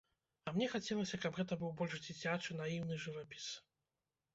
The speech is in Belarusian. А мне хацелася, каб гэта быў больш дзіцячы, наіўны жывапіс.